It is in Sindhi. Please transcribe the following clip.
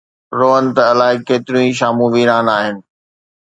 روئڻ ته الائي ڪيتريون شامون ويران آهن.